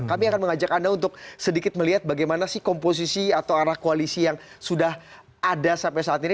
kami akan mengajak anda untuk sedikit melihat bagaimana sih komposisi atau arah koalisi yang sudah ada sampai saat ini